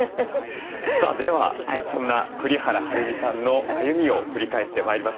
さあではそんな栗原はるみさんの歩みを振り返ってまいりましょう。